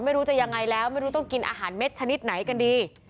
ไม่รู้จะยังไงแล้วไม่รู้ต้องกินอาหารเม็ดชนิดไหนกันดี